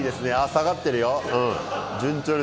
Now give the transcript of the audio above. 下がってるようん。